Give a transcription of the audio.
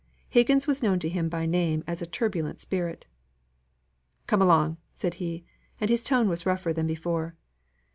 Higgins was known to him by name as a turbulent spirit. "Come along," said he, and his tone was rougher than before.